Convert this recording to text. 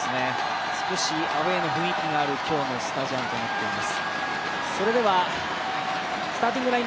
少しアウェーの雰囲気がある今日のスタジアムとなっています。